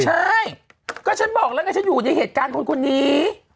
ใช่ก็ฉันบอกแล้วไงฉันอยู่ในเหตุการณ์คนนี้